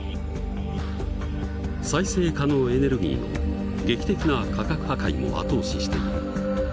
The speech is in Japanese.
再生可能エネルギーの劇的な価格破壊も後押ししている。